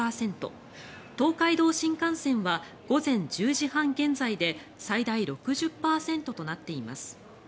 東海道新幹線は午前１０時半現在で最大６０％となっています。